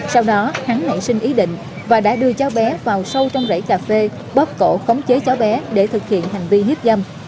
sau đó hắn nảy sinh ý định và đã đưa cháu bé vào sâu trong rẫy cà phê bóp cổ khống chế cháu bé để thực hiện hành vi hiếp dâm